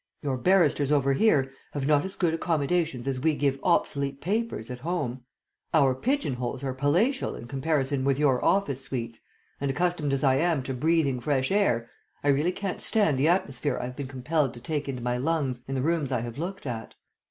Your barristers over here have not as good accommodations as we give obsolete papers at home. Our pigeon holes are palatial in comparison with your office suites, and accustomed as I am to breathing fresh air, I really can't stand the atmosphere I have been compelled to take into my lungs in the rooms I have looked at."